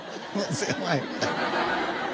狭い。